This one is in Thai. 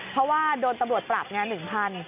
เพราะว่าโดนตำรวจปรับไง๑๐๐บาท